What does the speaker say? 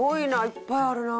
いっぱいあるな。